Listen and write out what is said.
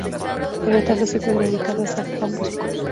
El retablo se encuentra dedicado a san Juan Bosco.